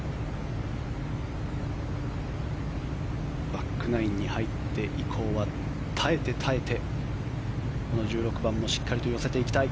バックナインに入って以降は耐えて耐えてこの１６番もしっかりと寄せていきたい。